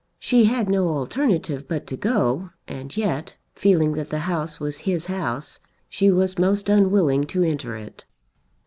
She had no alternative but to go, and yet, feeling that the house was his house, she was most unwilling to enter it.